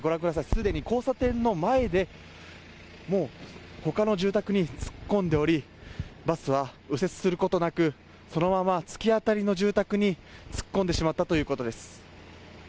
すでに交差点の前でもう他の住宅に突っ込んでおりバスは右折することなくそのまま突き当たりの住宅に突っ込んでしまったということです。